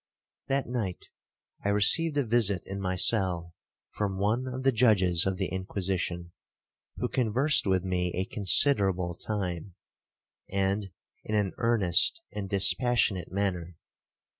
'That night I received a visit in my cell from one of the judges of the Inquisition, who conversed with me a considerable time, and in an earnest and dispassionate manner.